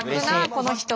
この人は。